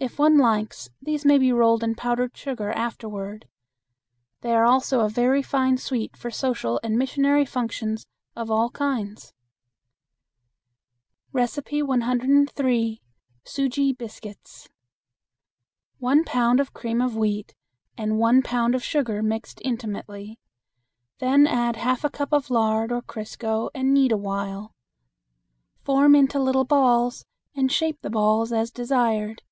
If one likes, these may be rolled in powdered sugar afterward. These are also a very fine sweet for social and missionary functions of all kinds. 103. Sujee Biscuits. One pound of cream of wheat and one pound of sugar mixed intimately; then add half a cup of lard or crisco and knead awhile. Form into little balls and shape the balls as desired.